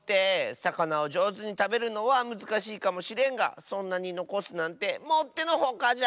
さかなをじょうずにたべるのはむずかしいかもしれんがそんなにのこすなんてもってのほかじゃ！